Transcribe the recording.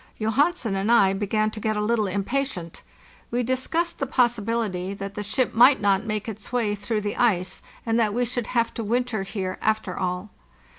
Johansen and I began to get a little impatient. We discussed the possibility that the ship might not make its way through the ice, and that we should have to winter here, after all.